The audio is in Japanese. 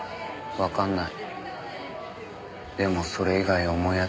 わかんない。